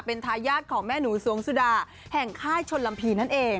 เป็นทายาทของแม่หนูสวงสุดาแห่งค่ายชนลำพีนั่นเอง